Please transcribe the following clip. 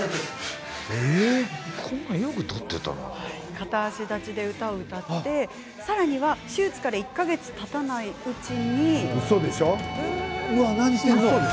片足立ちで歌を歌いさらには、手術から１か月もたたないうちに。